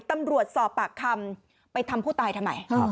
ตำรวจสอบปากคำไปทำผู้ตายทำไม